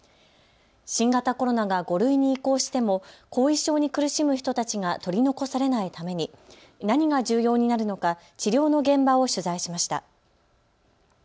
新型コロナが５類に移行しても後遺症に苦しむ人たちが取り残されないために何が重要になるのか治療の現場を取材しました。